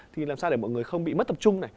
thì làm sao để mọi người không bị mất tập trung này